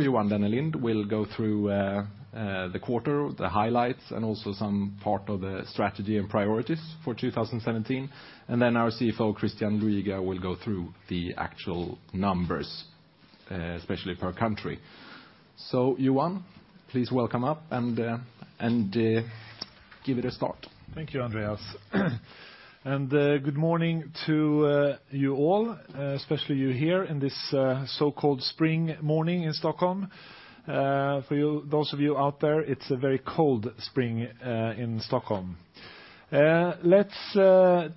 Johan Dennelind will go through the quarter, the highlights, and also some part of the strategy and priorities for 2017. Our CFO, Christian Luiga, will go through the actual numbers, especially per country. Johan, please welcome up and give it a start. Thank you, Andreas. Good morning to you all, especially you here in this so-called spring morning in Stockholm. For those of you out there, it's a very cold spring in Stockholm. Let's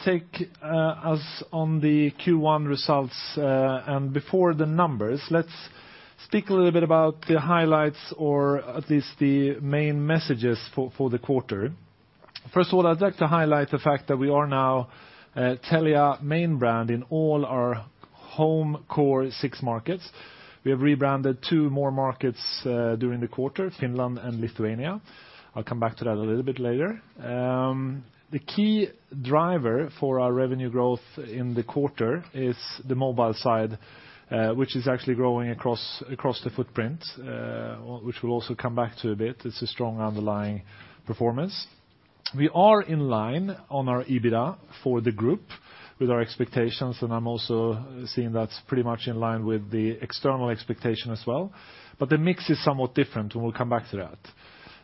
take us on the Q1 results. Before the numbers, let's speak a little bit about the highlights or at least the main messages for the quarter. First of all, I'd like to highlight the fact that we are now Telia main brand in all our home core six markets. We have rebranded two more markets during the quarter, Finland and Lithuania. I'll come back to that a little bit later. The key driver for our revenue growth in the quarter is the mobile side, which is actually growing across the footprint, which we'll also come back to a bit. It's a strong underlying performance. We are in line on our EBITDA for the group with our expectations, I'm also seeing that's pretty much in line with the external expectation as well. The mix is somewhat different, we'll come back to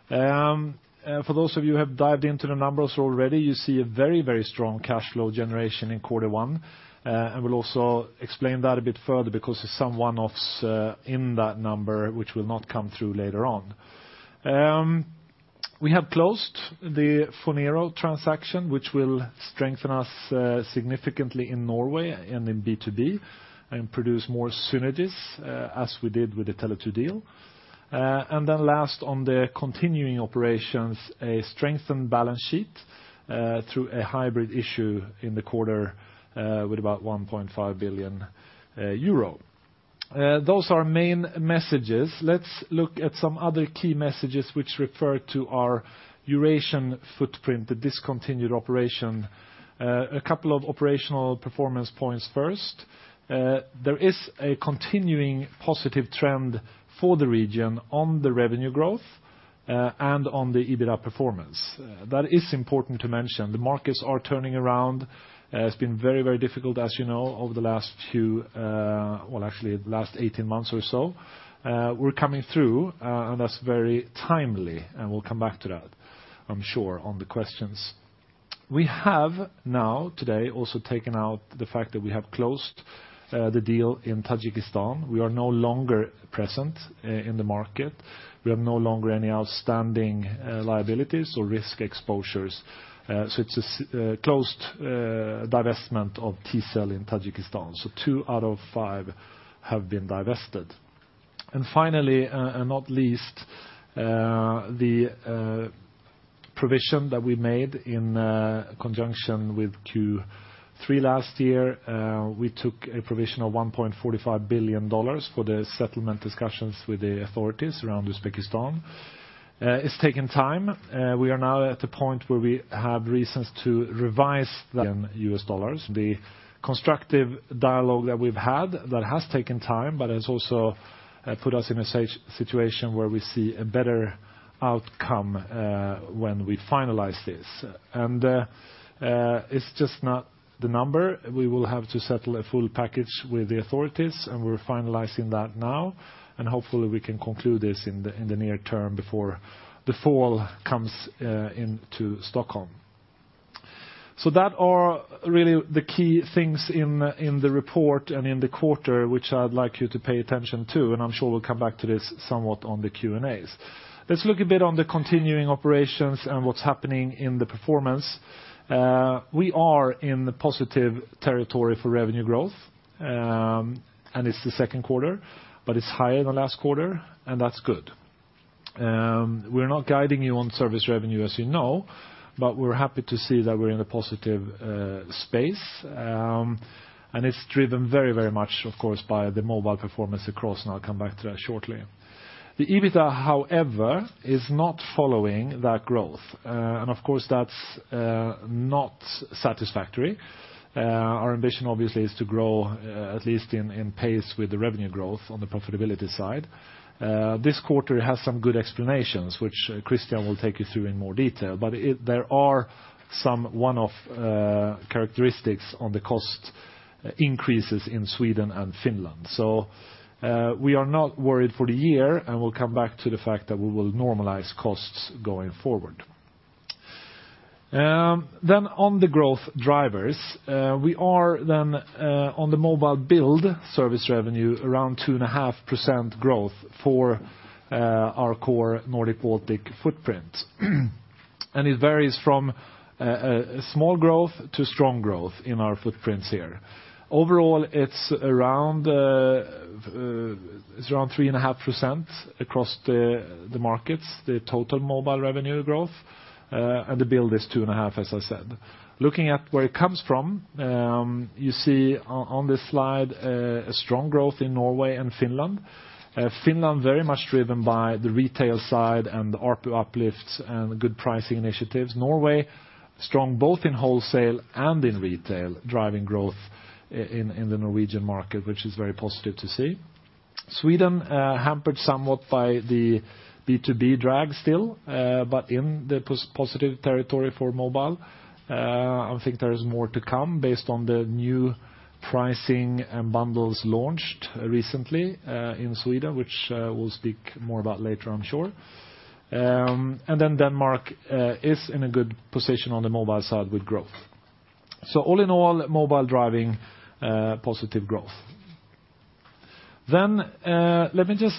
that. For those of you who have dived into the numbers already, you see a very strong cash flow generation in quarter one. We'll also explain that a bit further because there's some one-offs in that number, which will not come through later on. We have closed the Phonero transaction, which will strengthen us significantly in Norway and in B2B and produce more synergies as we did with the Tele2 deal. Last, on the continuing operations, a strengthened balance sheet through a hybrid issue in the quarter with about 1.5 billion euro. Those are our main messages. Let's look at some other key messages which refer to our Eurasian footprint, the discontinued operation. A couple of operational performance points first. There is a continuing positive trend for the region on the revenue growth and on the EBITDA performance. That is important to mention. The markets are turning around. It's been very difficult, as you know, over the last 18 months or so. We're coming through, that's very timely, we'll come back to that, I'm sure, on the questions. We have now today also taken out the fact that we have closed the deal in Tajikistan. We are no longer present in the market. We have no longer any outstanding liabilities or risk exposures. It's a closed divestment of Tcell in Tajikistan. Two out of five have been divested. Finally, and not least, the provision that we made in conjunction with Q3 last year, we took a provision of $1.45 billion for the settlement discussions with the authorities around Uzbekistan. It's taken time. We are now at a point where we have reasons to revise the US dollars. The constructive dialogue that we've had, that has taken time, but has also put us in a situation where we see a better outcome when we finalize this. It's just not the number. We will have to settle a full package with the authorities, and we're finalizing that now. Hopefully we can conclude this in the near term before the fall comes into Stockholm. That are really the key things in the report and in the quarter, which I'd like you to pay attention to, and I'm sure we'll come back to this somewhat on the Q&As. Let's look a bit on the continuing operations and what's happening in the performance. We are in the positive territory for revenue growth, and it's the second quarter, but it's higher than last quarter, and that's good. We're not guiding you on service revenue, as you know, but we're happy to see that we're in a positive space. It's driven very much, of course, by the mobile performance across, and I'll come back to that shortly. The EBITDA, however, is not following that growth. Of course, that's not satisfactory. Our ambition obviously is to grow at least in pace with the revenue growth on the profitability side. This quarter has some good explanations, which Christian will take you through in more detail. There are some one-off characteristics on the cost increases in Sweden and Finland. We are not worried for the year, and we'll come back to the fact that we will normalize costs going forward. On the growth drivers, we are then on the mobile build service revenue, around 2.5% growth for our core Nordic-Baltic footprint. It varies from a small growth to strong growth in our footprints here. Overall, it's around 3.5% across the markets, the total mobile revenue growth, and the build is 2.5%, as I said. Looking at where it comes from, you see on this slide a strong growth in Norway and Finland. Finland very much driven by the retail side and the ARPU uplifts and good pricing initiatives. Norway, strong both in wholesale and in retail, driving growth in the Norwegian market, which is very positive to see. Sweden hampered somewhat by the B2B drag still, but in the positive territory for mobile. I think there is more to come based on the new pricing and bundles launched recently in Sweden, which we'll speak more about later, I'm sure. Denmark is in a good position on the mobile side with growth. All in all, mobile driving positive growth. Let me just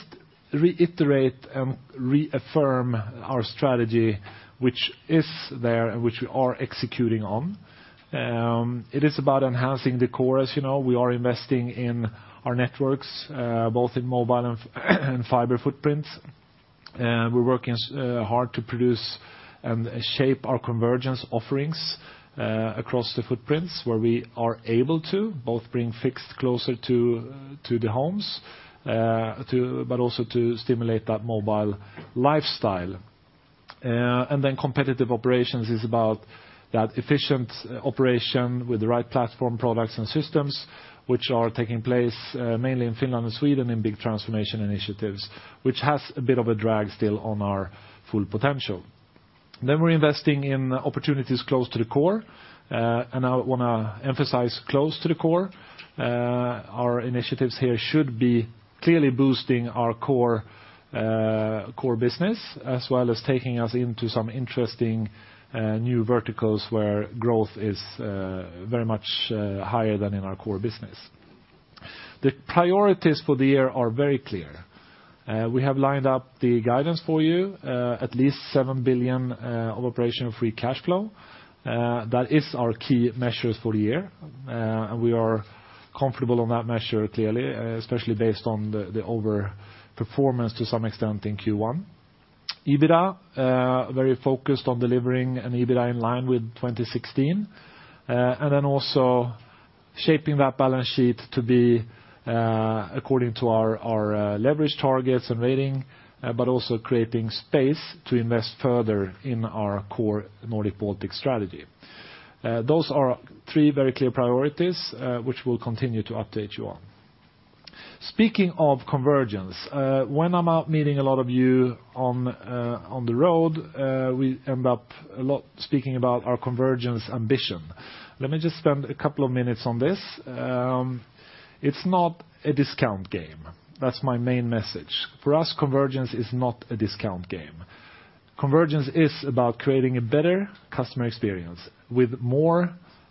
reiterate and reaffirm our strategy, which is there and which we are executing on. It is about enhancing the core. As you know, we are investing in our networks, both in mobile and fiber footprints. We're working hard to produce and shape our convergence offerings across the footprints where we are able to both bring fixed closer to the homes, but also to stimulate that mobile lifestyle. Competitive operations is about that efficient operation with the right platform products and systems, which are taking place mainly in Finland and Sweden in big transformation initiatives, which has a bit of a drag still on our full potential. We're investing in opportunities close to the core, and I want to emphasize close to the core. Our initiatives here should be clearly boosting our core business as well as taking us into some interesting new verticals where growth is very much higher than in our core business. The priorities for the year are very clear. We have lined up the guidance for you, at least seven billion of operational free cash flow. That is our key measures for the year, and we are comfortable on that measure clearly, especially based on the over-performance to some extent in Q1. EBITDA. Very focused on delivering an EBITDA in line with 2016. And then also shaping that balance sheet to be according to our leverage targets and rating, but also creating space to invest further in our core Nordic-Baltic strategy. Those are three very clear priorities, which we'll continue to update you on. Speaking of convergence, when I'm out meeting a lot of you on the road, we end up a lot speaking about our convergence ambition. Let me just spend a couple of minutes on this. It's not a discount game. That's my main message. For us, convergence is not a discount game. Convergence is about creating a better customer experience with more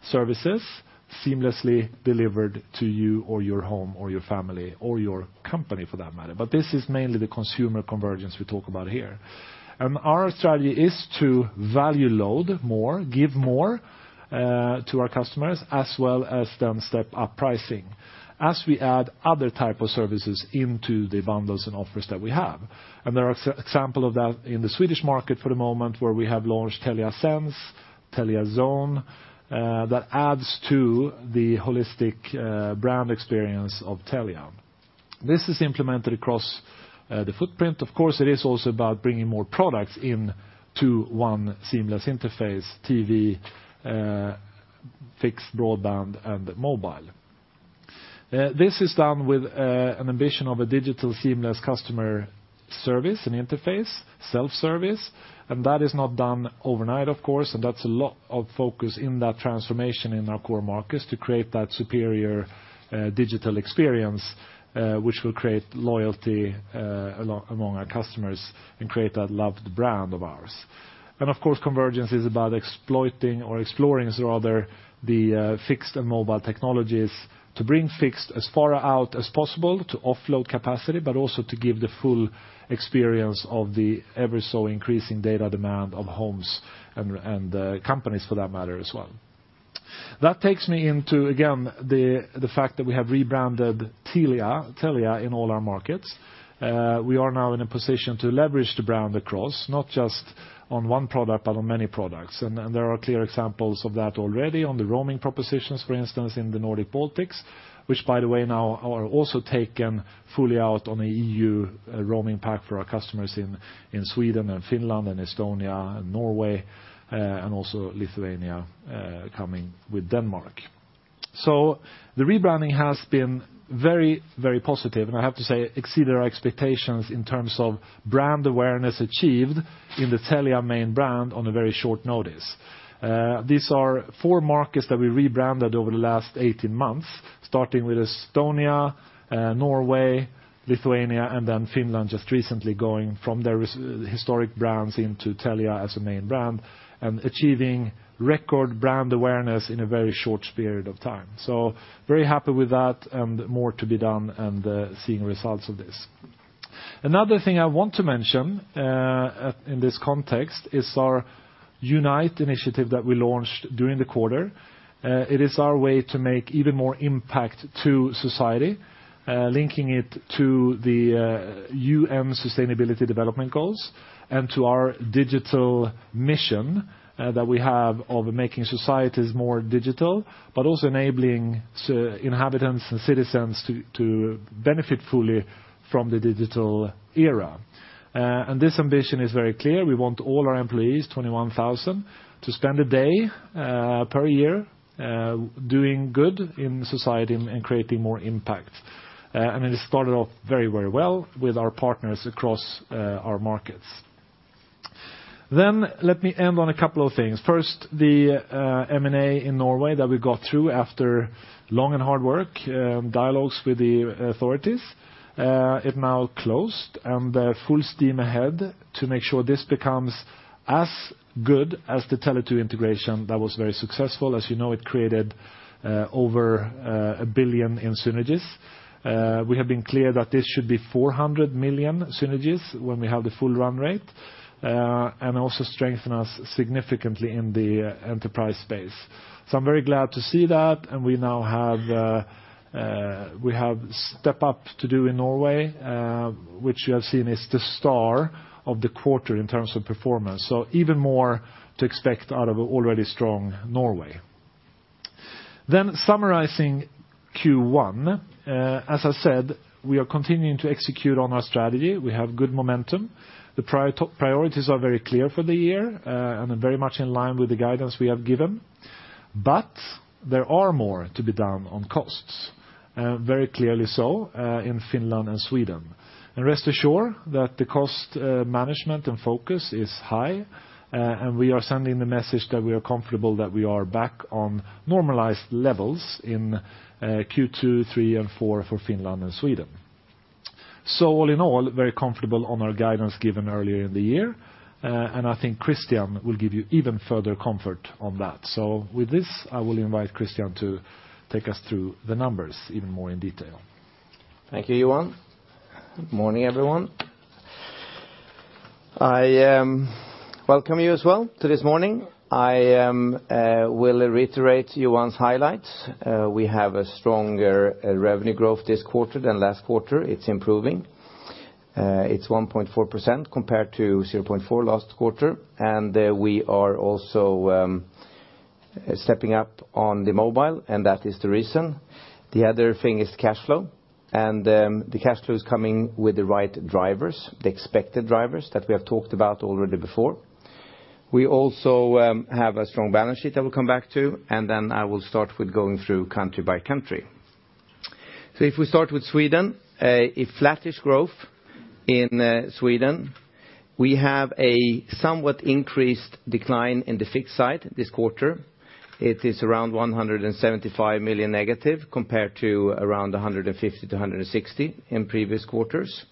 services seamlessly delivered to you or your home, or your family, or your company for that matter. But this is mainly the consumer convergence we talk about here. Our strategy is to value load more, give more to our customers, as well as then step up pricing as we add other type of services into the bundles and offers that we have. And there are example of that in the Swedish market for the moment where we have launched Telia Sense, Telia Zone, that adds to the holistic brand experience of Telia. This is implemented across the footprint. Of course, it is also about bringing more products into one seamless interface, TV, fixed broadband, and mobile. This is done with an ambition of a digital seamless customer service and interface, self-service, and that is not done overnight, of course, and that's a lot of focus in that transformation in our core markets to create that superior digital experience, which will create loyalty among our customers and create that loved brand of ours. Of course, convergence is about exploiting or exploring, rather, the fixed and mobile technologies to bring fixed as far out as possible to offload capacity, but also to give the full experience of the ever-so-increasing data demand of homes and companies for that matter as well. That takes me into, again, the fact that we have rebranded Telia in all our markets. We are now in a position to leverage the brand across, not just on one product, but on many products. And there are clear examples of that already on the roaming propositions, for instance, in the Nordic-Baltics, which by the way, now are also taken fully out on a EU roaming pack for our customers in Sweden and Finland and Estonia and Norway, and also Lithuania coming with Denmark. The rebranding has been very, very positive, and I have to say, exceeded our expectations in terms of brand awareness achieved in the Telia main brand on a very short notice. These are 4 markets that we rebranded over the last 18 months, starting with Estonia, Norway, Lithuania, and then Finland just recently going from their historic brands into Telia as a main brand and achieving record brand awareness in a very short period of time. Very happy with that and more to be done and seeing results of this. Another thing I want to mention in this context is our Unite initiative that we launched during the quarter. It is our way to make even more impact to society, linking it to the UN Sustainable Development Goals and to our digital mission that we have of making societies more digital, but also enabling inhabitants and citizens to benefit fully from the digital era. This ambition is very clear. We want all our employees, 21,000, to spend a day per year doing good in society and creating more impact. It started off very, very well with our partners across our markets. Let me end on a couple of things. First, the M&A in Norway that we got through after long and hard work, dialogues with the authorities. It now closed, and full steam ahead to make sure this becomes as good as the Tele2 integration that was very successful. As you know, it created over a billion in synergies. We have been clear that this should be 400 million synergies when we have the full run rate, and also strengthen us significantly in the enterprise space. I'm very glad to see that, and we now have step up to do in Norway, which you have seen is the star of the quarter in terms of performance. Even more to expect out of already strong Norway. Summarizing Q1, as I said, we are continuing to execute on our strategy. We have good momentum. The priorities are very clear for the year, and are very much in line with the guidance we have given. There are more to be done on costs, very clearly so in Finland and Sweden. Rest assured that the cost management and focus is high, and we are sending the message that we are comfortable that we are back on normalized levels in Q2, Q3, and Q4 for Finland and Sweden. All in all, very comfortable on our guidance given earlier in the year. I think Christian will give you even further comfort on that. With this, I will invite Christian to take us through the numbers even more in detail. Thank you, Johan. Morning, everyone. I welcome you as well to this morning. I will reiterate Johan's highlights. We have a stronger revenue growth this quarter than last quarter. It's improving. It's 1.4% compared to 0.4% last quarter. We are also stepping up on the mobile, and that is the reason. The other thing is cash flow. The cash flow is coming with the right drivers, the expected drivers that we have talked about already before. We also have a strong balance sheet that we'll come back to, and then I will start with going through country by country. If we start with Sweden, a flattish growth in Sweden. We have a somewhat increased decline in the fixed side this quarter. It is around 175 million negative compared to around 150 million to 160 million in previous quarters.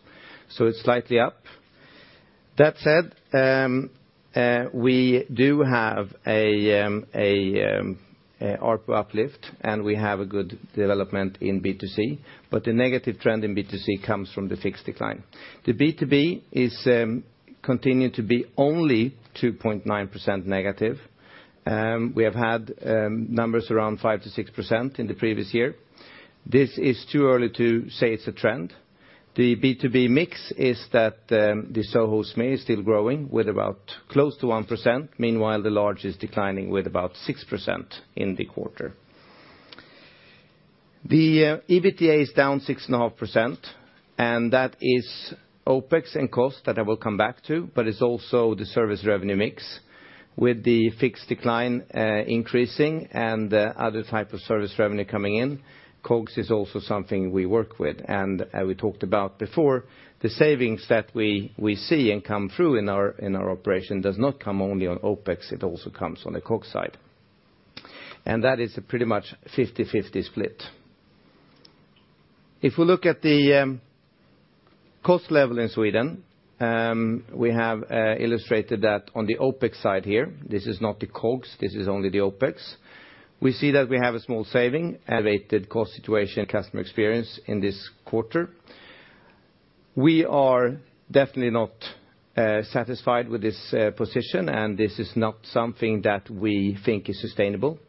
It's slightly up. That said, we do have an ARPU uplift, and we have a good development in B2C, but the negative trend in B2C comes from the fixed decline. The B2B is continuing to be only 2.9% negative. We have had numbers around 5%-6% in the previous year. This is too early to say it's a trend. The B2B mix is that the SoHo/SME is still growing with about close to 1%. Meanwhile, the large is declining with about 6% in the quarter. The EBITDA is down 6.5%, and that is OpEx and cost that I will come back to, but it's also the service revenue mix with the fixed decline increasing and other type of service revenue coming in. COGS is also something we work with. As we talked about before, the savings that we see and come through in our operation does not come only on OpEx, it also comes on the COGS side. That is a pretty much 50/50 split. If we look at the cost level in Sweden, we have illustrated that on the OpEx side here. This is not the COGS, this is only the OpEx. We see that we have a small saving, elevated cost situation, customer experience in this quarter. We are definitely not satisfied with this position, and this is not something that we think is sustainable.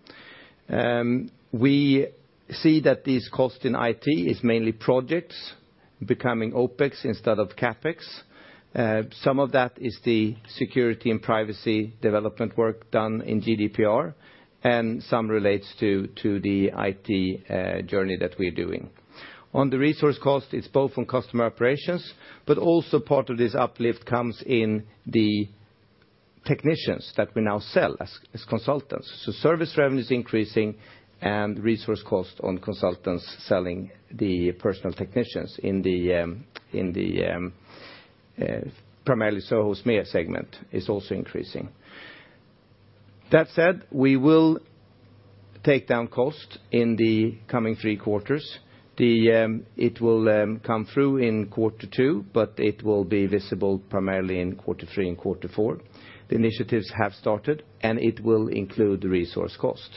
We see that these costs in IT is mainly projects becoming OpEx instead of CapEx. Some of that is the security and privacy development work done in GDPR, and some relates to the IT journey that we're doing. On the resource cost, it's both on customer operations, but also part of this uplift comes in the technicians that we now sell as consultants. Service revenue is increasing, and resource cost on consultants selling the personal technicians in the primarily SoHo/SME segment is also increasing. That said, we will take down cost in the coming three quarters. It will come through in quarter 2, but it will be visible primarily in quarter 3 and quarter 4. The initiatives have started, and it will include the resource cost.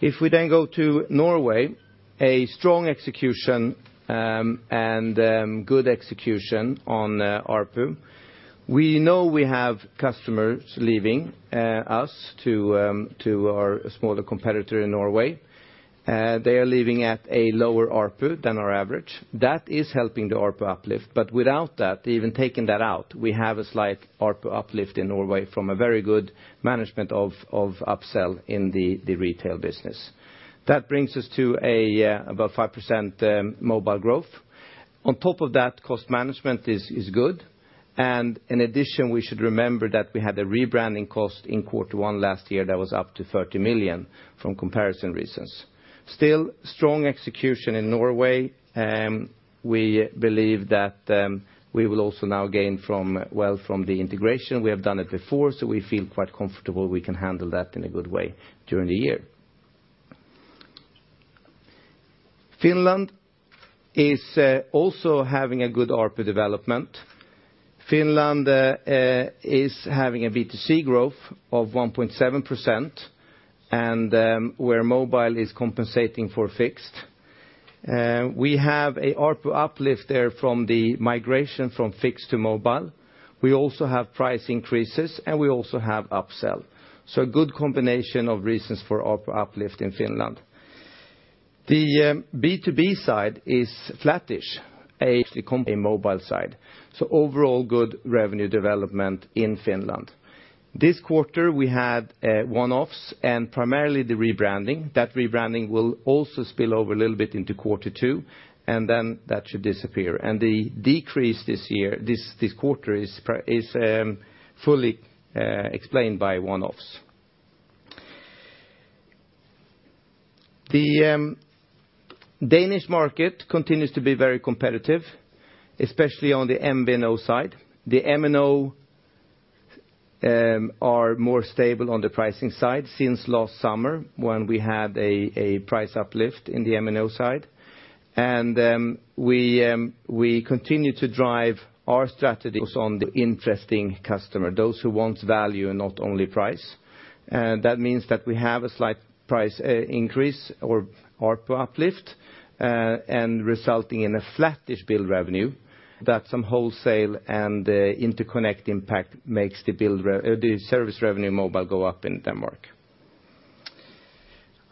If we go to Norway, a strong execution and good execution on ARPU. We know we have customers leaving us to our smaller competitor in Norway. They are leaving at a lower ARPU than our average. That is helping the ARPU uplift, but without that, even taking that out, we have a slight ARPU uplift in Norway from a very good management of upsell in the retail business. That brings us to about 5% mobile growth. On top of that, cost management is good. In addition, we should remember that we had a rebranding cost in quarter one last year that was up to 30 million from comparison reasons. Still strong execution in Norway. We believe that we will also now gain from the integration. We have done it before, so we feel quite comfortable we can handle that in a good way during the year. Finland is also having a good ARPU development. Finland is having a B2C growth of 1.7%, and where mobile is compensating for fixed. We have a ARPU uplift there from the migration from fixed to mobile. We also have price increases, and we also have upsell. A good combination of reasons for ARPU uplift in Finland. The B2B side is flattish. A mobile side. Overall, good revenue development in Finland. This quarter, we had one-offs and primarily the rebranding. That rebranding will also spill over a little bit into quarter two, and then that should disappear. The decrease this quarter is fully explained by one-offs. The Danish market continues to be very competitive, especially on the MVNO side. The MNO are more stable on the pricing side since last summer when we had a price uplift in the MNO side. We continue to drive our strategies on the interesting customer, those who want value and not only price. That means that we have a slight price increase or ARPU uplift, and resulting in a flattish bill revenue that some wholesale and interconnect impact makes the service revenue mobile go up in Denmark.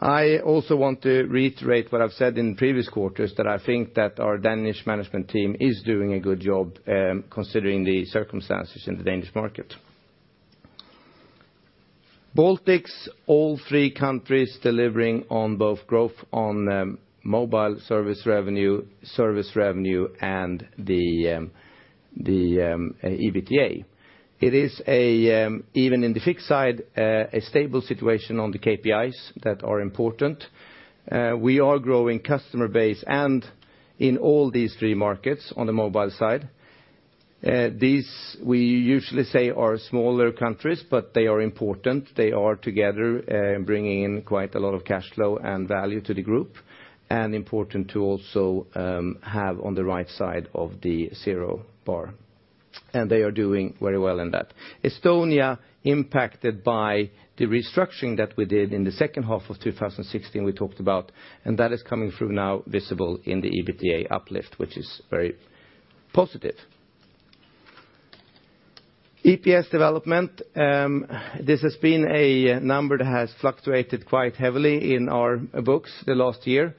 I also want to reiterate what I've said in previous quarters, that I think that our Danish management team is doing a good job considering the circumstances in the Danish market. Baltics, all three countries delivering on both growth on mobile service revenue, service revenue, and the EBITDA. It is, even in the fixed side, a stable situation on the KPIs that are important. We are growing customer base and in all these three markets on the mobile side. These, we usually say are smaller countries, but they are important. They are together bringing in quite a lot of cash flow and value to the group, and important to also have on the right side of the zero bar. They are doing very well in that. Estonia impacted by the restructuring that we did in the second half of 2016 we talked about, and that is coming through now visible in the EBITDA uplift, which is very positive. EPS development. This has been a number that has fluctuated quite heavily in our books the last year,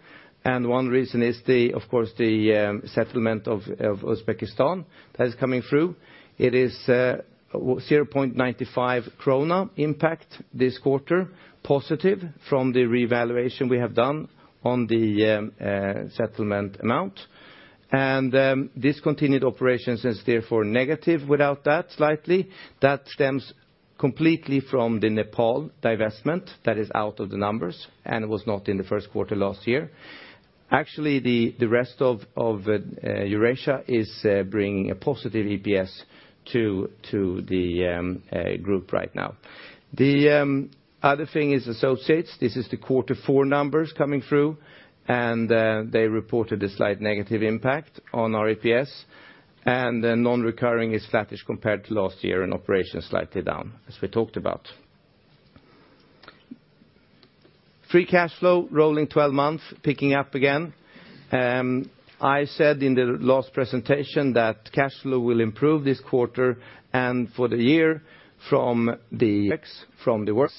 and one reason is, of course, the settlement of Uzbekistan that is coming through. It is 0.95 krona impact this quarter, positive from the revaluation we have done on the settlement amount. Discontinued operations is therefore negative without that slightly. That stems completely from the Nepal divestment that is out of the numbers and was not in the first quarter last year. The rest of Eurasia is bringing a positive EPS to the group right now. The other thing is associates. This is the quarter four numbers coming through, and they reported a slight negative impact on our EPS, and the non-recurring is flattish compared to last year and operations slightly down, as we talked about. Free cash flow rolling 12 months, picking up again. I said in the last presentation that cash flow will improve this quarter and for the year from the CapEx, from the works,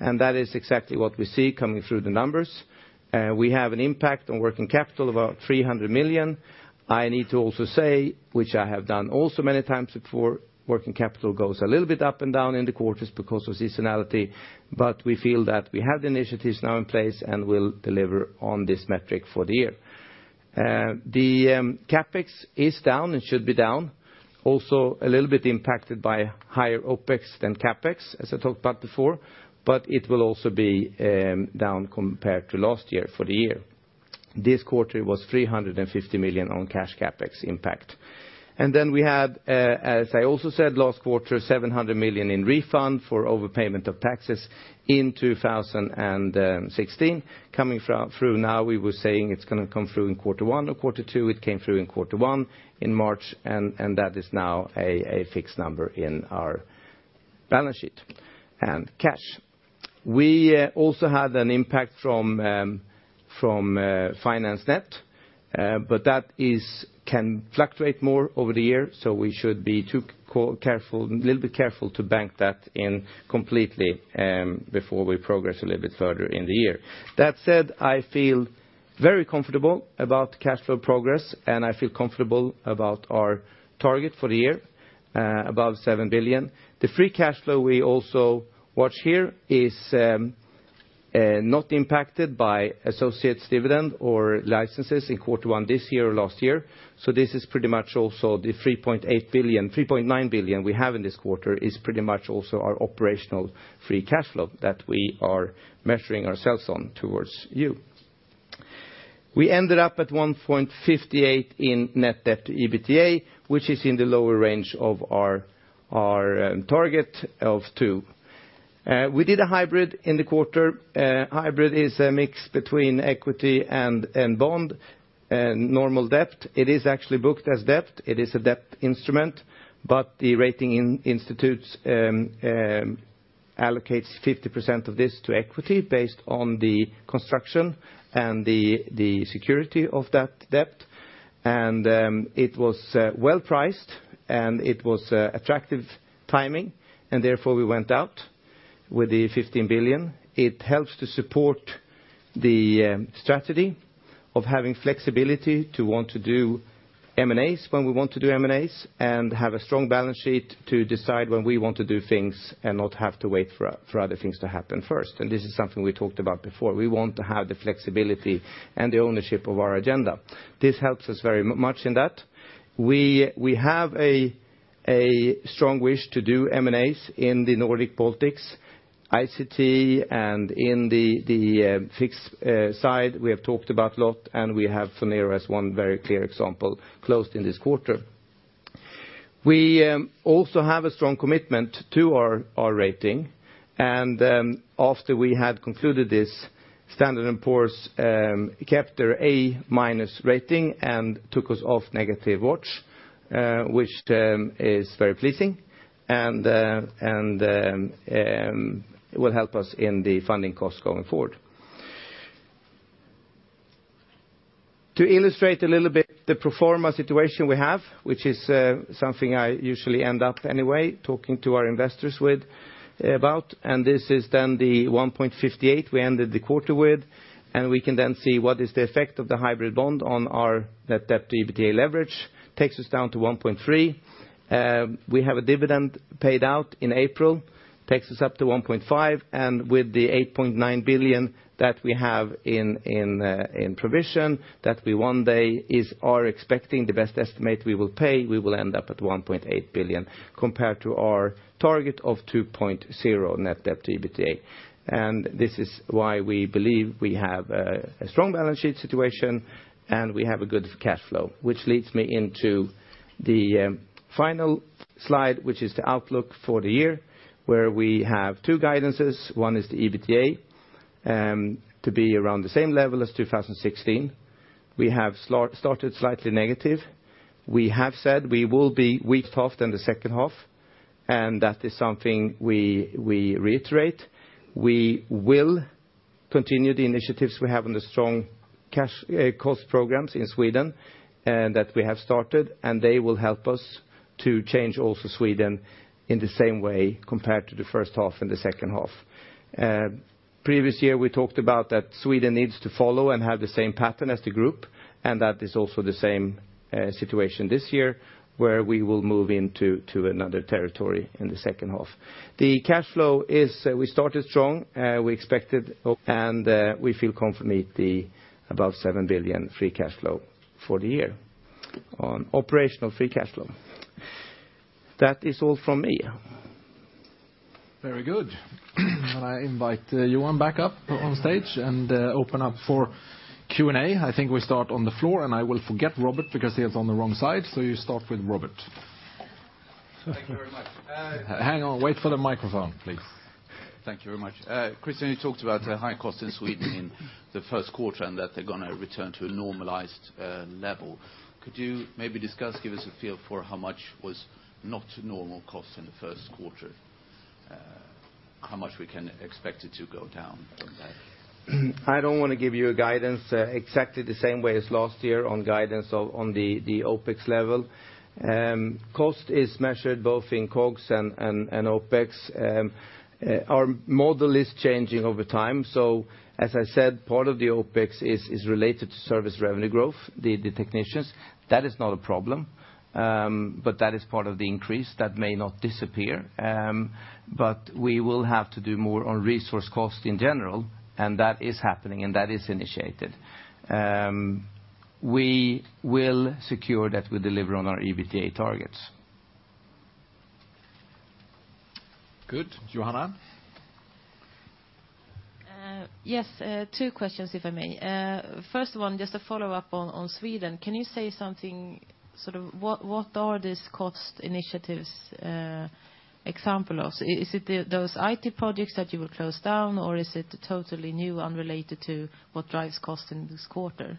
and that is exactly what we see coming through the numbers. We have an impact on working capital of about 300 million. I need to also say, which I have done also many times before, working capital goes a little bit up and down in the quarters because of seasonality, but we feel that we have the initiatives now in place and will deliver on this metric for the year. The CapEx is down and should be down. Also a little bit impacted by higher OpEx than CapEx, as I talked about before, but it will also be down compared to last year for the year. This quarter it was 350 million on cash CapEx impact. Then we had, as I also said last quarter, 700 million in refund for overpayment of taxes in 2016 coming through now. We were saying it's going to come through in quarter one or quarter two. It came through in quarter one in March, That is now a fixed number in our balance sheet and cash. We also had an impact from finance net, That can fluctuate more over the year, so we should be a little bit careful to bank that in completely before we progress a little bit further in the year. That said, I feel very comfortable about cash flow progress, I feel comfortable about our target for the year, above 7 billion. The free cash flow we also watch here is not impacted by associates dividend or licenses in quarter one this year or last year. This is pretty much also the 3.9 billion we have in this quarter is pretty much also our operational free cash flow that we are measuring ourselves on towards you. We ended up at 1.58 in net debt to EBITDA, which is in the lower range of our target of two. We did a hybrid in the quarter. Hybrid is a mix between equity and bond, normal debt. It is actually booked as debt. It is a debt instrument, but the rating institutes allocates 50% of this to equity based on the construction and the security of that debt. It was well-priced, It was attractive timing, Therefore we went out with the 15 billion. It helps to support the strategy of having flexibility to want to do M&As when we want to do M&As, and have a strong balance sheet to decide when we want to do things and not have to wait for other things to happen first. This is something we talked about before. We want to have the flexibility and the ownership of our agenda. This helps us very much in that. We have a strong wish to do M&As in the Nordic Baltics, ICT, and in the fixed side, we have talked about a lot, and we have as one very clear example closed in this quarter. We also have a strong commitment to our rating. After we had concluded this, Standard & Poor's kept their A-minus rating and took us off negative watch, which is very pleasing and will help us in the funding costs going forward. To illustrate a little bit the pro forma situation we have, which is something I usually end up anyway talking to our investors about. This is then the 1.58 we ended the quarter with, and we can then see what is the effect of the hybrid bond on our net debt to EBITDA leverage. Takes us down to 1.3. We have a dividend paid out in April, takes us up to 1.5. With the $8.9 billion that we have in provision that we one day are expecting the best estimate we will pay, we will end up at 1.8 compared to our target of 2.0 net debt to EBITDA. This is why we believe we have a strong balance sheet situation and we have a good cash flow. Which leads me into the final slide, which is the outlook for the year where we have two guidances. One is the EBITDA to be around the same level as 2016. We have started slightly negative. We have said we will be weak half than the second half, and that is something we reiterate. We will continue the initiatives we have on the strong cost programs in Sweden that we have started, and they will help us to change also Sweden in the same way compared to the first half and the second half. Previous year we talked about that Sweden needs to follow and have the same pattern as the group, and that is also the same situation this year where we will move into another territory in the second half. The cash flow is we started strong, we expected. We feel confident the above 7 billion free cash flow for the year on operational free cash flow. That is all from me. Very good. I invite Johan back up on stage and open up for Q&A. I think we start on the floor, and I will forget Robert because he is on the wrong side. You start with Robert. Thank you very much. Hang on, wait for the microphone, please. Thank you very much. Christian, you talked about high cost in Sweden in the first quarter and that they're going to return to a normalized level. Could you maybe discuss, give us a feel for how much was not normal cost in the first quarter? How much we can expect it to go down from that? I don't want to give you a guidance exactly the same way as last year on guidance on the OpEx level. Cost is measured both in COGS and OpEx. Our model is changing over time. As I said, part of the OpEx is related to service revenue growth, the technicians. That is not a problem. That is part of the increase that may not disappear. We will have to do more on resource cost in general, and that is happening, and that is initiated. We will secure that we deliver on our EBITDA targets. Good. Johanna? Yes. Two questions, if I may. First of one, just a follow-up on Sweden. Can you say something, what are these cost initiatives example of? Is it those IT projects that you will close down, or is it totally new, unrelated to what drives cost in this quarter?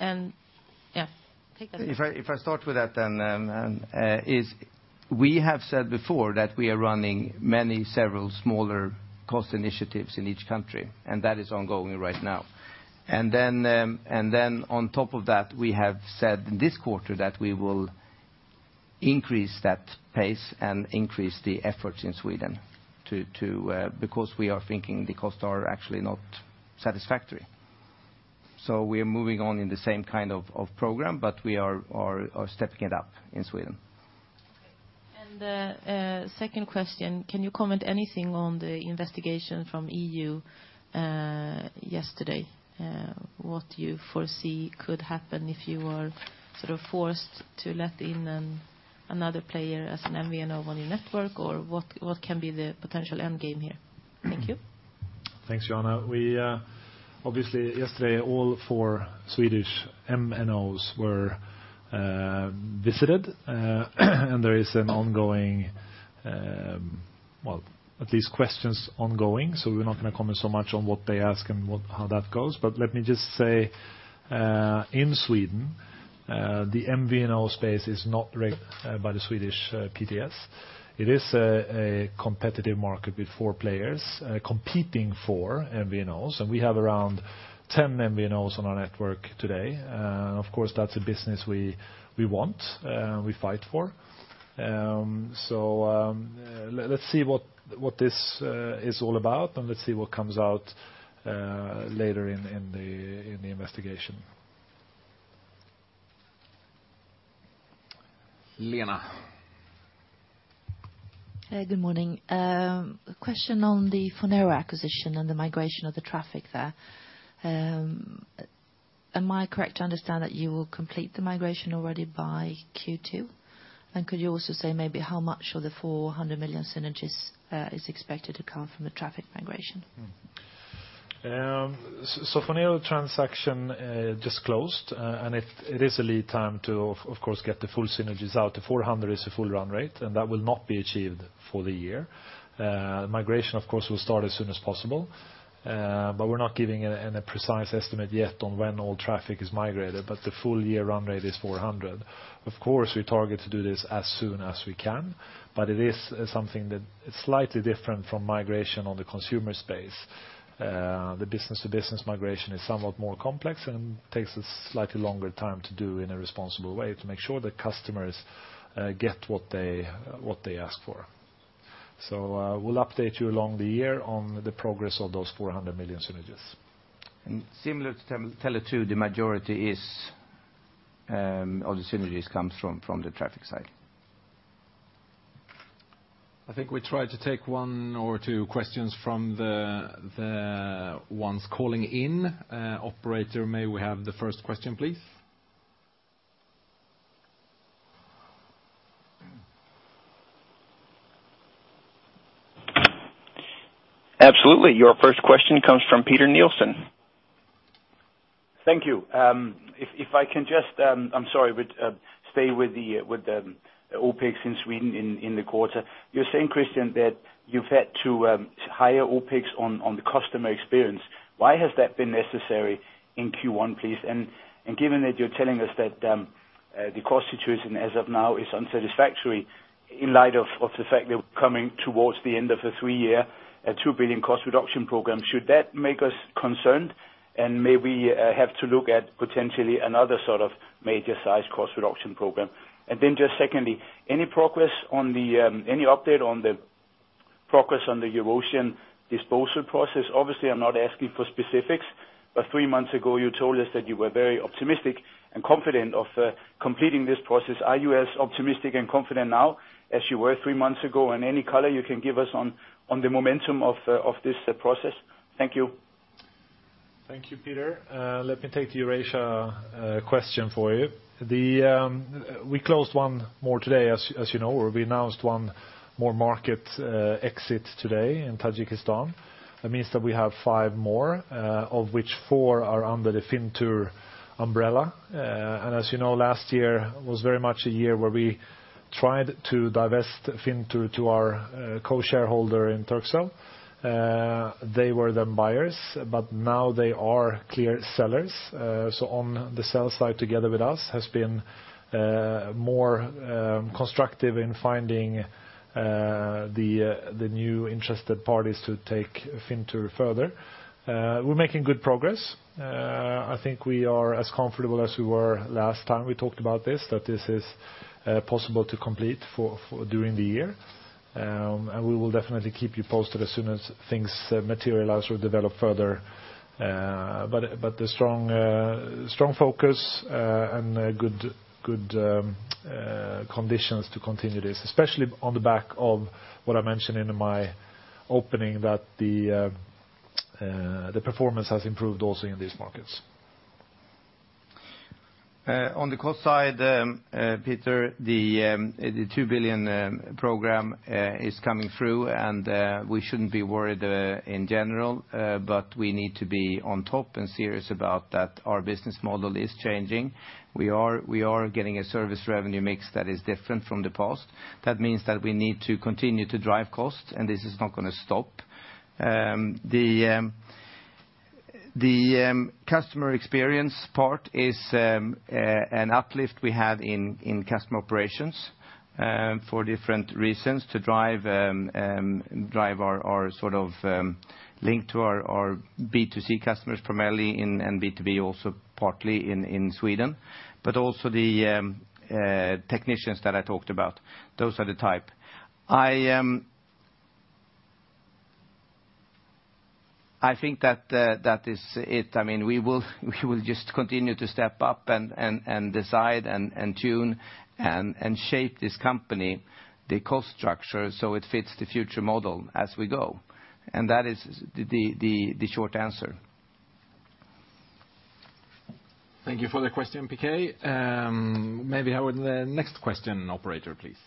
Yeah, take that. If I start with that then, we have said before that we are running many, several smaller cost initiatives in each country, and that is ongoing right now. Then on top of that, we have said in this quarter that we will increase that pace and increase the efforts in Sweden because we are thinking the costs are actually not satisfactory. We are moving on in the same kind of program, but we are stepping it up in Sweden. The second question, can you comment anything on the investigation from EU yesterday? What you foresee could happen if you are forced to let in another player as an MVNO on your network? Or what can be the potential end game here? Thank you. Thanks, Johanna. Obviously, yesterday, all four Swedish MNOs were visited. There is an ongoing, at least questions ongoing. We're not going to comment so much on what they ask and how that goes. Let me just say, in Sweden, the MVNO space is not reg by the Swedish PTS. It is a competitive market with four players competing for MVNOs. We have around 10 MVNOs on our network today. Of course, that's a business we want, we fight for. Let's see what this is all about, and let's see what comes out later in the investigation. Lena. Hey, good morning. A question on the Phonero acquisition and the migration of the traffic there. Am I correct to understand that you will complete the migration already by Q2? Could you also say maybe how much of the 400 million synergies is expected to come from the traffic migration? Phonero transaction just closed, and it is a lead time to, of course, get the full synergies out. The 400 is a full run rate, and that will not be achieved for the year. Migration, of course, will start as soon as possible, but we're not giving a precise estimate yet on when all traffic is migrated. The full-year run rate is 400. Of course, we target to do this as soon as we can, but it is something that is slightly different from migration on the consumer space. The business-to-business migration is somewhat more complex, and takes a slightly longer time to do in a responsible way to make sure the customers get what they ask for. We'll update you along the year on the progress of those 400 million synergies. Similar to Tele2, the majority of the synergies comes from the traffic side. I think we try to take one or two questions from the ones calling in. Operator, may we have the first question, please? Absolutely. Your first question comes from Peter Nielsen. Thank you. If I can just, I'm sorry, but stay with the OpEx in Sweden in the quarter. You're saying, Christian, that you've had to hire OpEx on the customer experience. Why has that been necessary in Q1, please? Given that you're telling us that the cost situation as of now is unsatisfactory in light of the fact that we're coming towards the end of a three-year, a 2 billion cost-reduction program, should that make us concerned? Maybe have to look at potentially another sort of major size cost-reduction program? Then just secondly, any update on the progress on the Eurasian disposal process? Obviously, I'm not asking for specifics. Three months ago, you told us that you were very optimistic and confident of completing this process. Are you as optimistic and confident now as you were three months ago? Any color you can give us on the momentum of this process? Thank you. Thank you, Peter. Let me take the Eurasia question for you. We closed one more today, as you know, or we announced one more market exit today in Tajikistan. That means that we have five more, of which four are under the Fintur umbrella. As you know, last year was very much a year where we tried to divest Fintur to our co-shareholder in Turkcell. They were the buyers, but now they are clear sellers. On the sell side, together with us, has been more constructive in finding the new interested parties to take Fintur further. We're making good progress. I think we are as comfortable as we were last time we talked about this, that this is possible to complete during the year. We will definitely keep you posted as soon as things materialize or develop further. The strong focus, and good conditions to continue this, especially on the back of what I mentioned in my opening, that the performance has improved also in these markets. On the cost side, Peter, the 2 billion program is coming through, and we shouldn't be worried in general. We need to be on top and serious about that our business model is changing. We are getting a service revenue mix that is different from the past. That means that we need to continue to drive costs, and this is not going to stop. The customer experience part is an uplift we have in customer operations for different reasons to drive our link to our B2C customers, primarily, and B2B also partly in Sweden. Also the technicians that I talked about. Those are the type. I think that is it. We will just continue to step up and decide, and tune, and shape this company, the cost structure, so it fits the future model as we go. That is the short answer. Thank you for the question, Peter. Maybe have the next question, operator, please.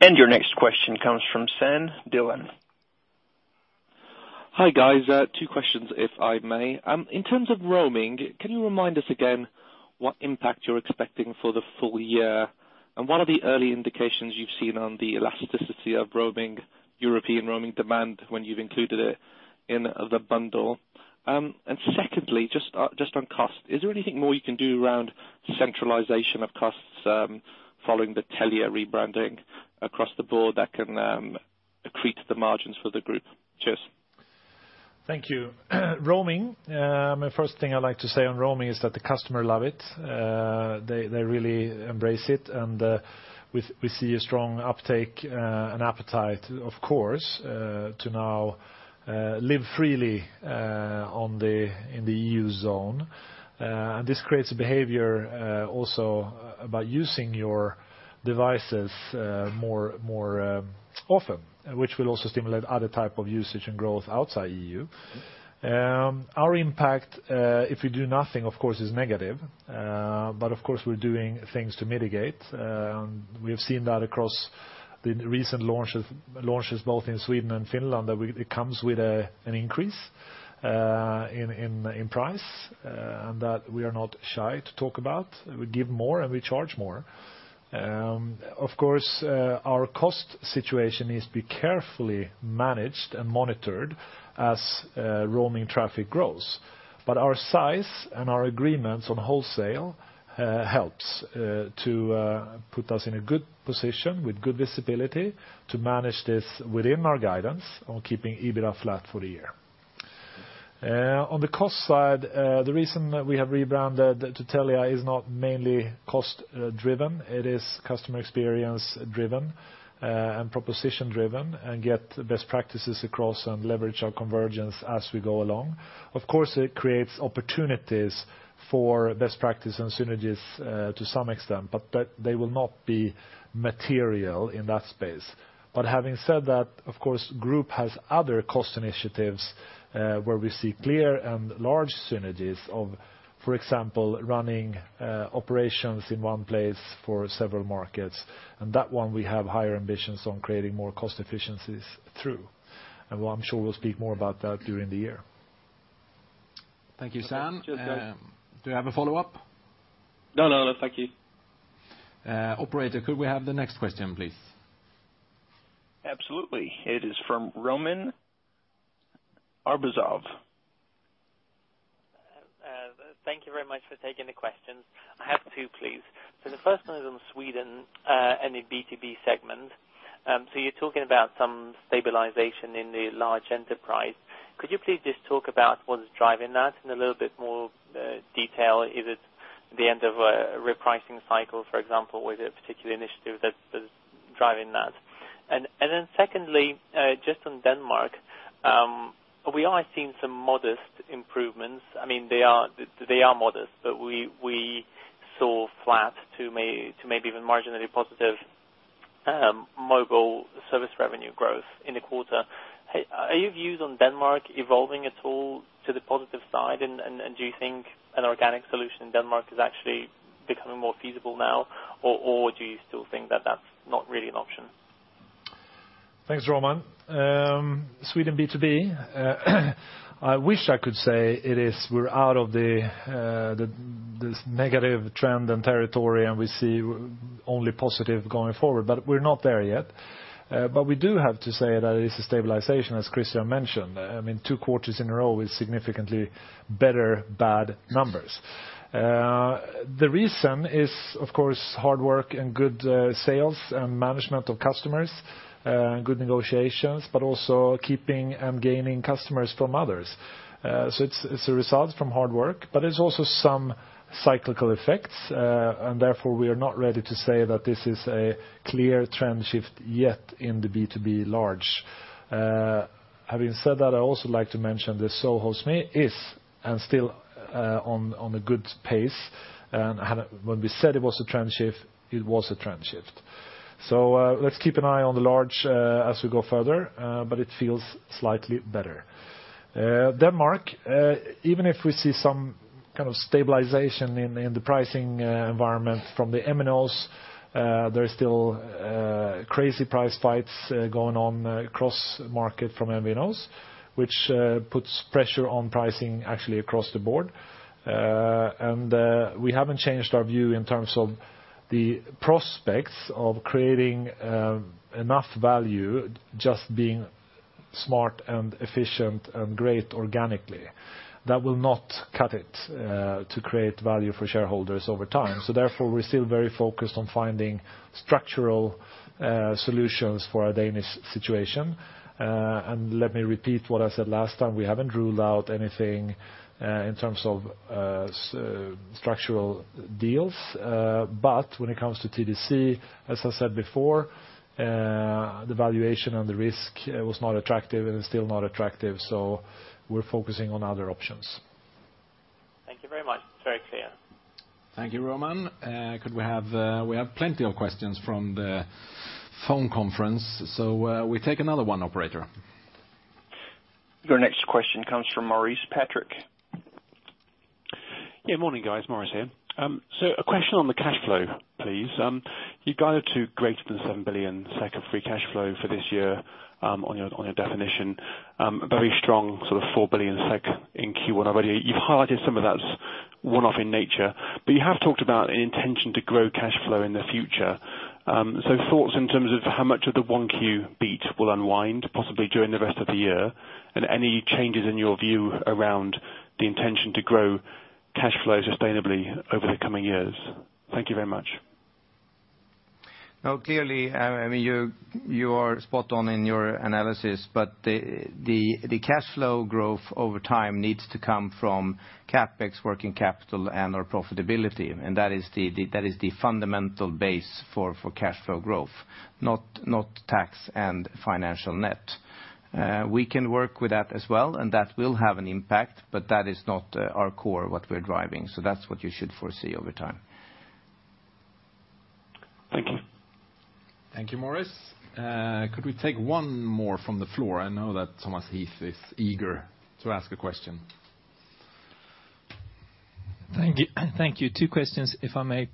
Your next question comes from Sam Dillon. Hi, guys. two questions, if I may. In terms of roaming, can you remind us again what impact you're expecting for the full year, and what are the early indications you've seen on the elasticity of European roaming demand when you've included it in the bundle? Secondly, just on cost, is there anything more you can do around centralization of costs following the Telia rebranding across the board that can accrete the margins for the group? Cheers. Thank you. Roaming. First thing I'd like to say on roaming is that the customer love it. They really embrace it, we see a strong uptake, an appetite, of course, to now live freely in the EU zone. This creates a behavior also about using your devices more often, which will also stimulate other type of usage and growth outside EU. Our impact, if we do nothing, of course, is negative. Of course, we're doing things to mitigate. We've seen that across the recent launches, both in Sweden and Finland, that it comes with an increase in price, that we are not shy to talk about. We give more, we charge more. Of course, our cost situation needs to be carefully managed and monitored as roaming traffic grows. Our size and our agreements on wholesale helps to put us in a good position with good visibility to manage this within our guidance on keeping EBITDA flat for the year. On the cost side, the reason that we have rebranded to Telia is not mainly cost driven. It is customer experience driven and proposition driven, get best practices across and leverage our convergence as we go along. Of course, it creates opportunities for best practice and synergies to some extent, but they will not be material in that space. Having said that, of course, group has other cost initiatives, where we see clear and large synergies of, for example, running operations in one place for several markets. That one, we have higher ambitions on creating more cost efficiencies through. I'm sure we'll speak more about that during the year. Thank you, Sam. Cheers, guys. Do you have a follow-up? No, thank you. Operator, could we have the next question, please? Absolutely. It is from Roman Arbuzov. Thank you very much for taking the question. I have two, please. The first one is on Sweden, and in B2B segment. You're talking about some stabilization in the large enterprise. Could you please just talk about what is driving that in a little bit more detail? Is it the end of a repricing cycle, for example, or is it a particular initiative that is driving that? Secondly, just on Denmark. We are seeing some modest improvements. They are modest, but we saw flat to maybe even marginally positive mobile service revenue growth in the quarter. Are your views on Denmark evolving at all to the positive side? Do you think an organic solution in Denmark is actually becoming more feasible now, or do you still think that that's not really an option? Thanks, Roman. Sweden B2B. I wish I could say we're out of this negative trend and territory. We see only positive going forward, but we're not there yet. We do have to say that it is a stabilization, as Christian mentioned. Two quarters in a row with significantly better bad numbers. The reason is, of course, hard work and good sales and management of customers, good negotiations, but also keeping and gaining customers from others. It's a result from hard work, but it's also some cyclical effects, and therefore, we are not ready to say that this is a clear trend shift yet in the B2B large. Having said that, I also like to mention that SoHo/SME is, and still on a good pace. When we said it was a trend shift, it was a trend shift. Let's keep an eye on the large as we go further, but it feels slightly better. Denmark. Even if we see some kind of stabilization in the pricing environment from the MNOs, there is still crazy price fights going on across market from MVNOs, which puts pressure on pricing actually across the board. We haven't changed our view in terms of the prospects of creating enough value just being smart and efficient and great organically. That will not cut it to create value for shareholders over time. Therefore, we're still very focused on finding structural solutions for our Danish situation. Let me repeat what I said last time. We haven't ruled out anything in terms of structural deals. When it comes to TDC, as I said before, the valuation and the risk was not attractive and is still not attractive. We're focusing on other options. Thank you very much. It's very clear. Thank you, Roman. We have plenty of questions from the phone conference. We'll take another one, operator. Your next question comes from Maurice Patrick. Yeah, morning guys. Maurice here. A question on the cash flow, please. You guided to greater than 7 billion SEK of free cash flow for this year on your definition. Very strong, sort of 4 billion SEK in Q1 already. You've highlighted some of that's one-off in nature, but you have talked about an intention to grow cash flow in the future. Thoughts in terms of how much of the 1Q beat will unwind possibly during the rest of the year? And any changes in your view around the intention to grow cash flow sustainably over the coming years? Thank you very much. Clearly, you are spot on in your analysis. The cash flow growth over time needs to come from CapEx working capital and our profitability. That is the fundamental base for cash flow growth, not tax and financial net. We can work with that as well, and that will have an impact, but that is not our core, what we're driving. That's what you should foresee over time. Thank you. Thank you, Maurice. Could we take one more from the floor? I know that Thomas Heath is eager to ask a question. Thank you. Two questions, if I may.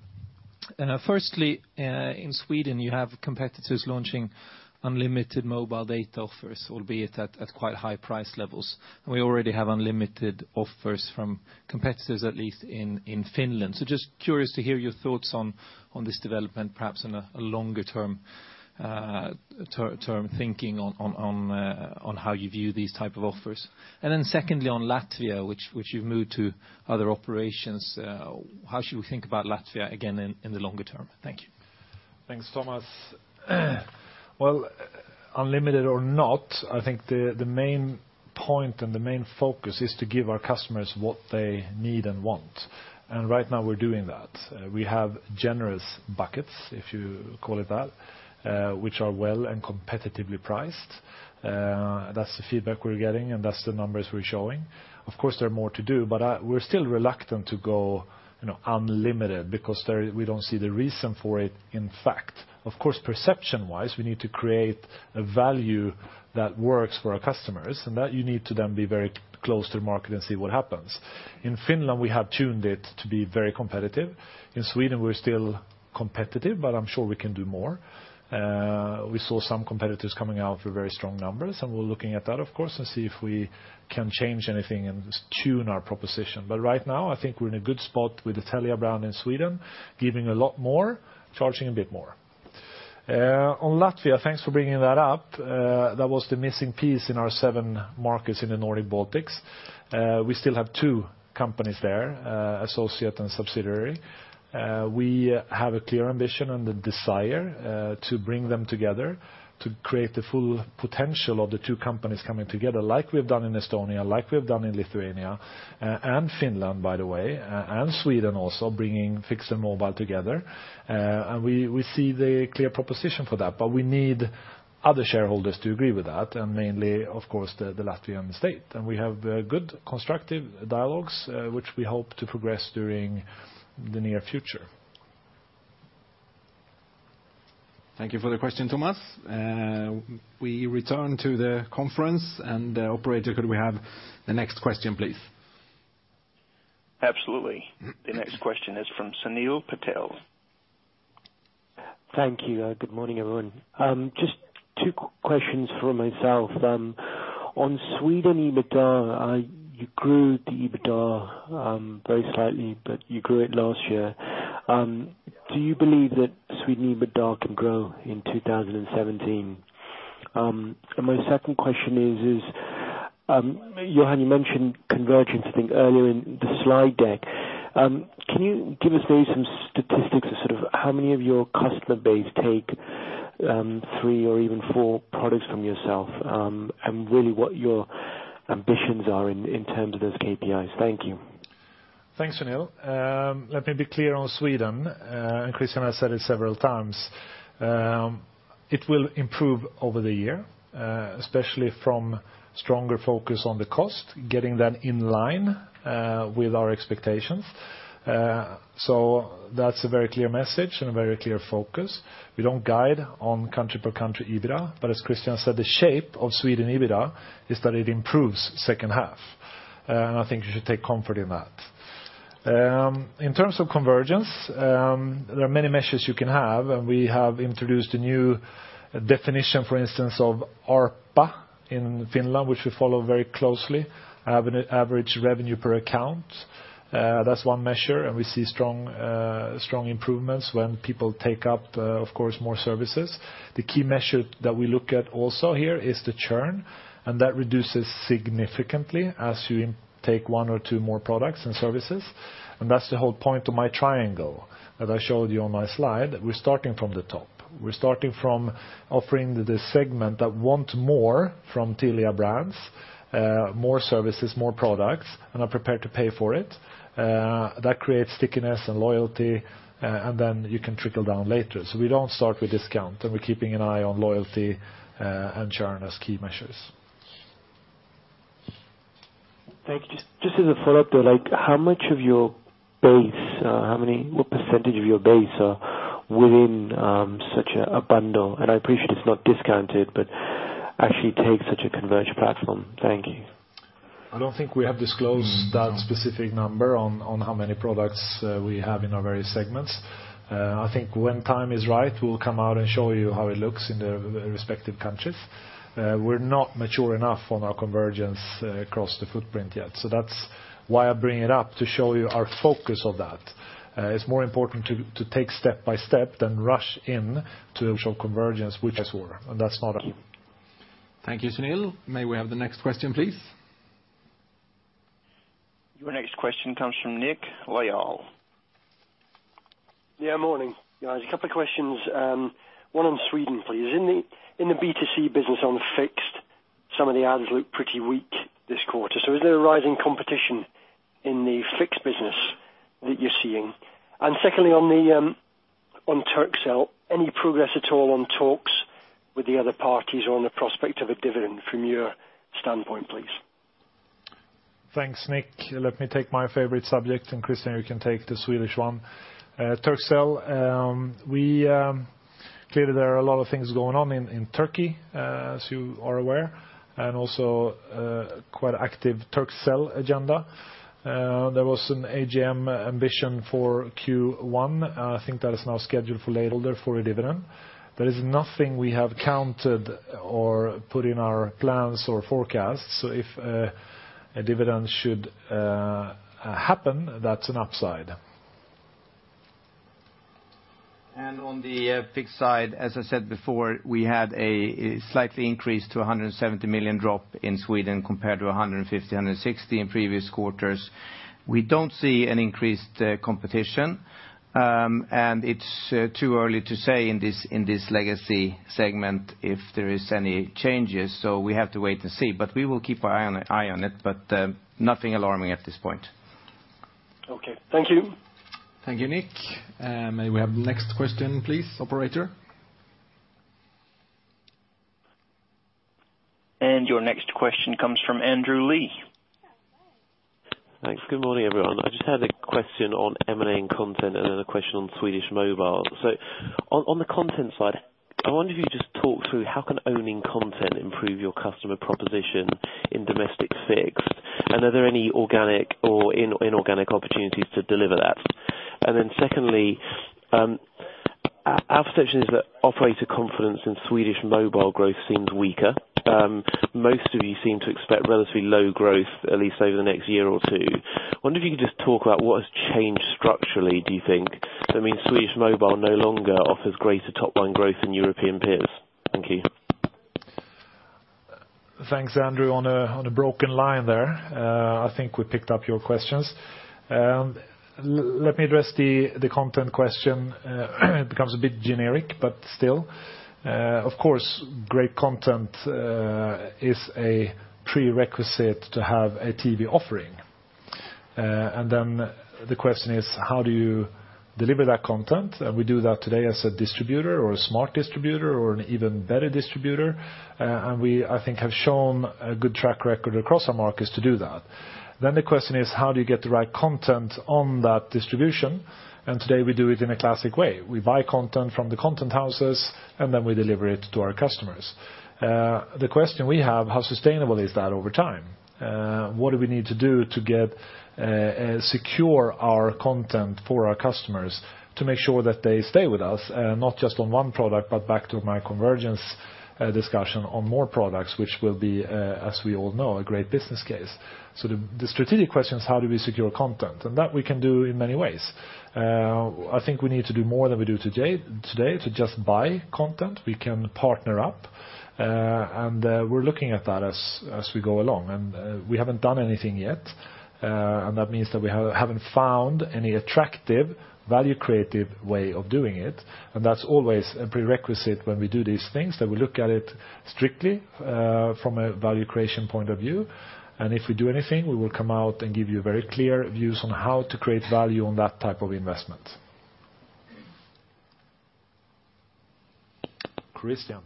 Firstly, in Sweden you have competitors launching unlimited mobile data offers, albeit at quite high price levels, and we already have unlimited offers from competitors, at least in Finland. Just curious to hear your thoughts on this development, perhaps in a longer term thinking on how you view these type of offers. Secondly, on Latvia, which you've moved to other operations, how should we think about Latvia again in the longer term? Thank you. Thanks, Thomas. Well, unlimited or not, I think the main point and the main focus is to give our customers what they need and want. Right now we're doing that. We have generous buckets, if you call it that, which are well and competitively priced. That's the feedback we're getting, and that's the numbers we're showing. Of course, there are more to do, but we're still reluctant to go unlimited because we don't see the reason for it, in fact. Of course, perception-wise, we need to create a value that works for our customers, and that you need to then be very close to the market and see what happens. In Finland, we have tuned it to be very competitive. In Sweden, we're still competitive, but I'm sure we can do more. We saw some competitors coming out with very strong numbers, and we're looking at that, of course, and see if we can change anything and tune our proposition. Right now, I think we're in a good spot with the Telia brand in Sweden, giving a lot more, charging a bit more. On Latvia, thanks for bringing that up. That was the missing piece in our seven markets in the Nordic Baltics. We still have two companies there, associate and subsidiary. We have a clear ambition and the desire to bring them together to create the full potential of the two companies coming together like we've done in Estonia, like we've done in Lithuania, and Finland, by the way, and Sweden also bringing fixed and mobile together. We see the clear proposition for that, but we need other shareholders to agree with that. Mainly, of course, the Latvian state. We have good constructive dialogues, which we hope to progress during the near future. Thank you for the question, Thomas. We return to the conference, and operator, could we have the next question, please? Absolutely. The next question is from Sunil Patel. Thank you. Good morning, everyone. Just two questions from myself. On Sweden EBITDA, you grew the EBITDA very slightly, but you grew it last year. Do you believe that Sweden EBITDA can grow in 2017? My second question is, Johan, you mentioned convergence, I think earlier in the slide deck. Can you give us maybe some statistics of sort of how many of your customer base take three or even four products from yourself? Really what your ambitions are in terms of those KPIs. Thank you. Thanks, Sunil. Let me be clear on Sweden. Christian has said it several times. It will improve over the year, especially from stronger focus on the cost, getting that in line with our expectations. That's a very clear message and a very clear focus. We don't guide on country per country EBITDA, but as Christian said, the shape of Sweden EBITDA is that it improves second half. I think you should take comfort in that. In terms of convergence, there are many measures you can have. We have introduced a new definition, for instance, of ARPA in Finland, which we follow very closely. Average revenue per account. That's one measure. We see strong improvements when people take up, of course, more services. The key measure that we look at also here is the churn. That reduces significantly as you take one or two more products and services. That's the whole point of my triangle that I showed you on my slide. We're starting from the top. We're starting from offering the segment that want more from Telia brands, more services, more products, and are prepared to pay for it. That creates stickiness and loyalty. Then you can trickle down later. We don't start with discount. We're keeping an eye on loyalty and churn as key measures. Thank you. Just as a follow-up there, how much of your base, what % of your base are within such a bundle? I appreciate it's not discounted, but actually take such a converged platform. Thank you. I don't think we have disclosed that specific number on how many products we have in our various segments. I think when time is right, we'll come out and show you how it looks in the respective countries. We're not mature enough on our convergence across the footprint yet. That's why I bring it up, to show you our focus on that. It's more important to take step by step than rush in to show convergence, which I swore, and that's not all. Thank you, Sunil. May we have the next question, please? Your next question comes from Nick Lyall. Yeah, morning, guys. A couple of questions. One on Sweden, please. In the B2C business on fixed, some of the ads look pretty weak this quarter. Is there a rising competition in the fixed business that you're seeing? Secondly, on Turkcell, any progress at all on talks with the other parties on the prospect of a dividend from your standpoint, please? Thanks, Nick. Let me take my favorite subject, Christian, you can take the Swedish one. Turkcell, clearly there are a lot of things going on in Turkey, as you are aware, and also quite active Turkcell agenda. There was an AGM ambition for Q1. I think that is now scheduled for later for a dividend. There is nothing we have counted or put in our plans or forecasts. If a dividend should happen, that's an upside. On the fixed side, as I said before, we had a slightly increase to 170 million drop in Sweden compared to 150, 160 in previous quarters. We don't see an increased competition. It's too early to say in this legacy segment if there is any changes. We have to wait and see. We will keep our eye on it, but nothing alarming at this point. Okay. Thank you. Thank you, Nick. May we have the next question, please, operator? Your next question comes from Andrew Lee. Thanks. Good morning, everyone. I just had a question on M&A and content, and another question on Swedish mobile. On the content side, I wonder if you could just talk through how can owning content improve your customer proposition in domestic fixed, and are there any organic or inorganic opportunities to deliver that? Then secondly, our perception is operator confidence in Swedish mobile growth seems weaker. Most of you seem to expect relatively low growth, at least over the next year or two. Wonder if you could just talk about what has changed structurally, do you think? Swedish mobile no longer offers greater top-line growth than European peers. Thank you. Thanks, Andrew, on a broken line there. I think we picked up your questions. Let me address the content question. It becomes a bit generic, but still. Of course, great content is a prerequisite to have a TV offering. Then the question is, how do you deliver that content? We do that today as a distributor or a smart distributor or an even better distributor. We, I think, have shown a good track record across our markets to do that. Then the question is, how do you get the right content on that distribution? Today we do it in a classic way. We buy content from the content houses, and then we deliver it to our customers. The question we have, how sustainable is that over time? What do we need to do to secure our content for our customers to make sure that they stay with us, not just on one product, but back to my convergence discussion on more products, which will be, as we all know, a great business case. The strategic question is how do we secure content? That we can do in many ways. I think we need to do more than we do today to just buy content. We can partner up. We're looking at that as we go along. We haven't done anything yet. That means that we haven't found any attractive value creative way of doing it. That's always a prerequisite when we do these things, that we look at it strictly from a value creation point of view. If we do anything, we will come out and give you very clear views on how to create value on that type of investment. Christian.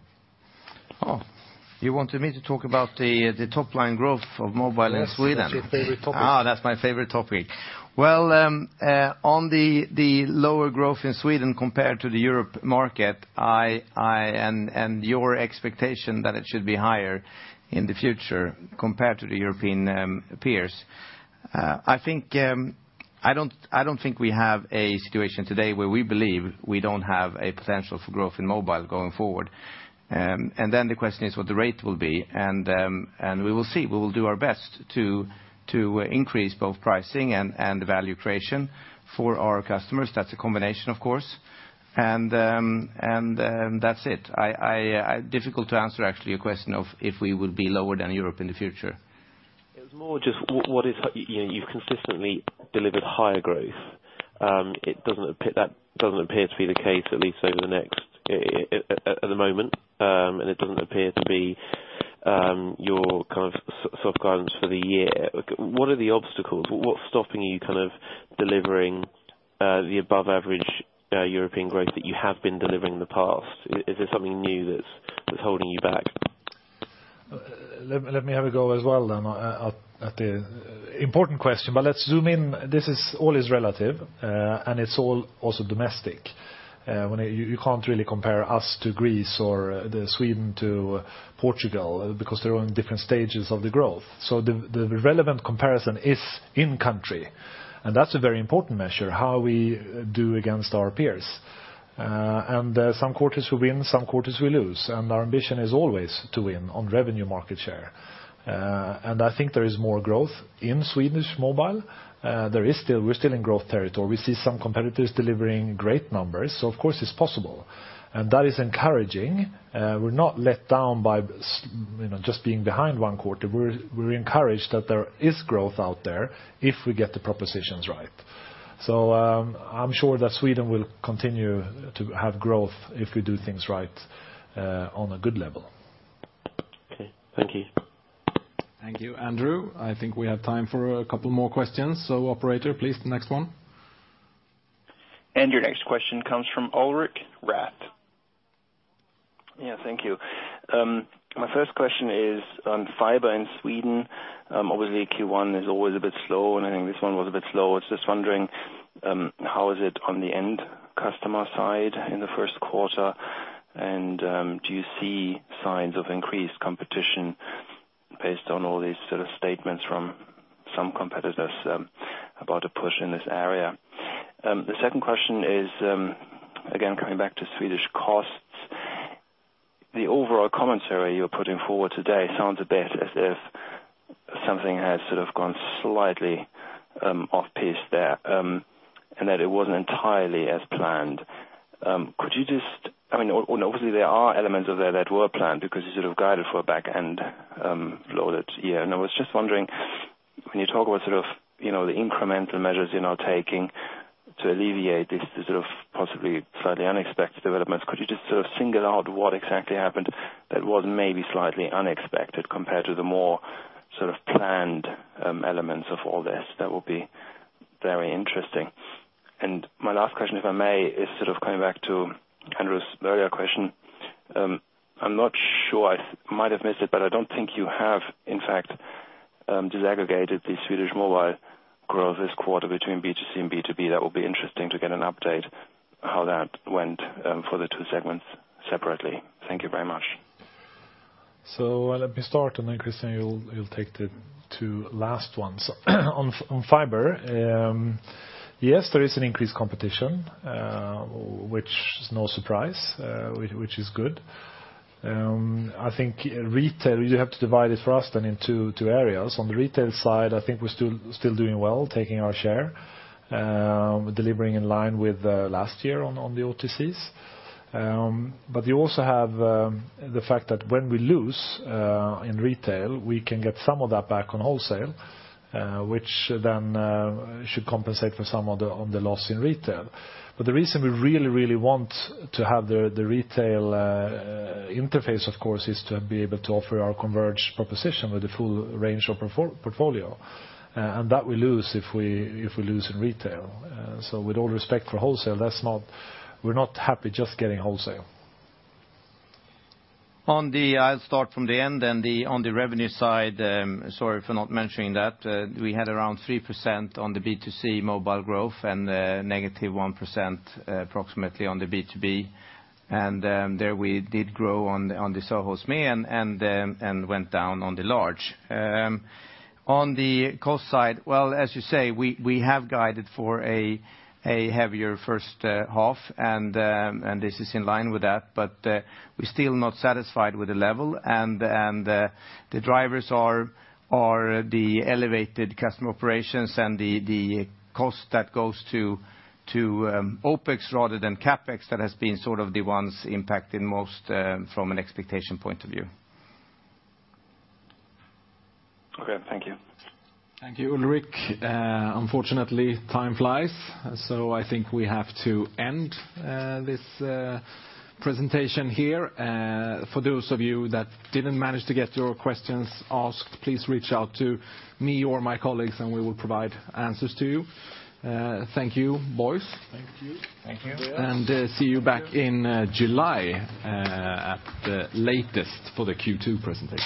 You wanted me to talk about the top line growth of mobile in Sweden. Yes, that's your favorite topic. That's my favorite topic. Well, on the lower growth in Sweden compared to the Europe market, your expectation that it should be higher in the future compared to the European peers. I don't think we have a situation today where we believe we don't have a potential for growth in mobile going forward. Then the question is what the rate will be, and we will see. We will do our best to increase both pricing and value creation for our customers. That's a combination, of course. That's it. Difficult to answer actually your question of if we will be lower than Europe in the future. It was more just you've consistently delivered higher growth. That doesn't appear to be the case, at least over the next, at the moment, and it doesn't appear to be your kind of soft guidance for the year. What are the obstacles? What's stopping you kind of delivering the above average European growth that you have been delivering in the past, is it something new that's holding you back? Let me have a go as well then at the important question. Let's zoom in. This is all is relative, and it's all also domestic. You can't really compare us to Greece or Sweden to Portugal because they're all in different stages of the growth. The relevant comparison is in country, and that's a very important measure, how we do against our peers. Some quarters we win, some quarters we lose, and our ambition is always to win on revenue market share. I think there is more growth in Swedish mobile. We're still in growth territory. We see some competitors delivering great numbers. Of course, it's possible. That is encouraging. We're not let down by just being behind one quarter. We're encouraged that there is growth out there if we get the propositions right. I'm sure that Sweden will continue to have growth if we do things right, on a good level. Okay. Thank you. Thank you, Andrew. I think we have time for a couple more questions. Operator, please, the next one. Your next question comes from Ulrich Rathe. Yeah, thank you. My first question is on fiber in Sweden. Obviously Q1 is always a bit slow, and I think this one was a bit slow. I was just wondering, how is it on the end customer side in the first quarter? Do you see signs of increased competition based on all these sort of statements from some competitors about a push in this area? The second question is, again, coming back to Swedish costs. The overall commentary you're putting forward today sounds a bit as if something has sort of gone slightly off-pace there, and that it wasn't entirely as planned. Obviously there are elements of there that were planned because you sort of guided for a back end loaded here. I was just wondering, when you talk about sort of the incremental measures you're now taking to alleviate this sort of possibly slightly unexpected developments, could you just sort of single out what exactly happened that was maybe slightly unexpected compared to the more sort of planned elements of all this? That would be very interesting. My last question, if I may, is sort of coming back to Andrew's earlier question. I'm not sure. I might have missed it, but I don't think you have, in fact, disaggregated the Swedish mobile growth this quarter between B2C and B2B. That will be interesting to get an update how that went for the two segments separately. Thank you very much. Let me start, and then Christian, you'll take the two last ones. On fiber, yes, there is an increased competition, which is no surprise, which is good. I think you have to divide it for us then into two areas. On the retail side, I think we're still doing well, taking our share, delivering in line with last year on the OTC. You also have the fact that when we lose in retail, we can get some of that back on wholesale, which then should compensate for some of the loss in retail. The reason we really want to have the retail interface, of course, is to be able to offer our converged proposition with the full range of portfolio. That we lose if we lose in retail. With all respect for wholesale, we're not happy just getting wholesale. I'll start from the end then. On the revenue side, sorry for not mentioning that. We had around 3% on the B2C mobile growth and negative 1% approximately on the B2B. There we did grow on the SoHo/SME and went down on the large. On the cost side, well, as you say, we have guided for a heavier first half, and this is in line with that, but we're still not satisfied with the level, and the drivers are the elevated customer operations and the cost that goes to OpEx rather than CapEx that has been sort of the ones impacted most from an expectation point of view. Okay. Thank you. Thank you, Ulrich. Unfortunately, time flies, I think we have to end this presentation here. For those of you that didn't manage to get your questions asked, please reach out to me or my colleagues, and we will provide answers to you. Thank you, boys. Thank you. Thank you. See you back in July at the latest for the Q2 presentation.